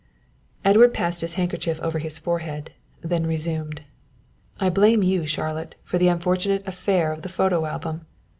Edward passed his handkerchief over his forehead, then resumed. "I blame you, Charlotte, for the unfortunate affair of the photo album.